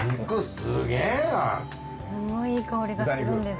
すごいいい香りがするんです。